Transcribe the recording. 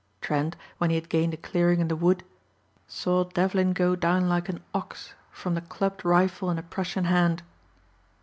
Trent, when he had gained a clearing in the wood, saw Devlin go down like an ox from the clubbed rifle in a Prussian hand.